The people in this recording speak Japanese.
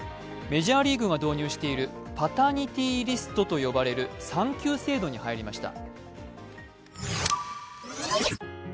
メジャーリーグが導入しているパタニティー・リストと呼ばれる産休制度に入りました。